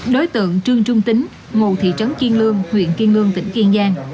đối tượng trương trung tính ngụ thị trấn kiên lương huyện kiên lương tỉnh kiên giang